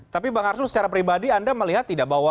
tapi bang arsul secara pribadi anda melihat tidak bahwa